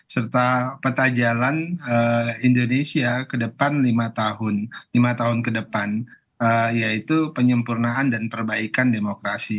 serta peta jalan indonesia ke depan lima tahun lima tahun ke depan yaitu penyempurnaan dan perbaikan demokrasi